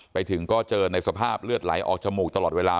ไปถึงก็เจอในสภาพเลือดไหลออกจมูกตลอดเวลา